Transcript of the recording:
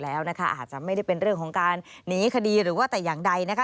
อาจจะไม่ได้เป็นเรื่องของการหนีคดีหรือว่าแต่อย่างใดนะคะ